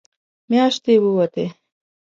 مياشتې ووتې.